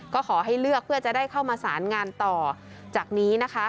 ก็ขอให้เลือกเพื่อจะได้เข้ามาสารงานต่อจากนี้นะคะ